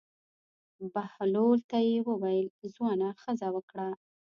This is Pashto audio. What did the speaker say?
بهلول ته یې وویل: ځوانه ښځه وکړه.